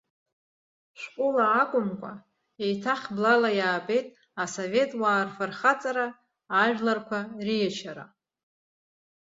Шәҟәыла акәымкәа, еиҭах блала иаабеит асовет уаа рфырхаҵара, ажәларқәа риешьара.